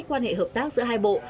quan hệ hợp tác giữa hai bộ